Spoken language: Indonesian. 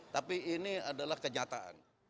tapi ini adalah kenyataan